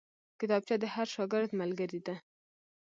کتابچه د هر شاګرد ملګرې ده